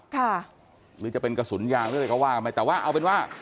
ค่ะหรือจะเป็นกระสุนยางหรืออะไรก็ว่าไม่แต่ว่าเอาเป็นว่า